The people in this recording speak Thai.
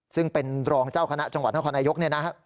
ซึ่งเป็นรองเจ้าคณะจังหวัดท่านคณะนายก